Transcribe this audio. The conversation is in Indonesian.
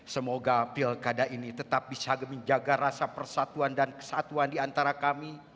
semoga pilkada ini tetap bisa menjaga rasa persatuan dan kesatuan di antara kami